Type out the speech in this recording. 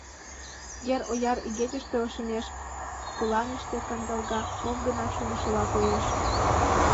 Ер ояр игечыште ошемеш, пыланыште кандалга, мом-гынат шонышыла коеш...